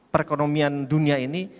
perekonomian dunia ini